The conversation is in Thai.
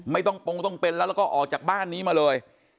ไม่ต้องปงต้องเป็นแล้วแล้วก็ออกจากบ้านนี้มาเลย